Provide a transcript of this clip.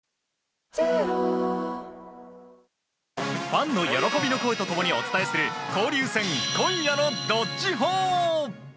ファンの喜びの声と共にお伝えする交流戦、今夜のどっちほー。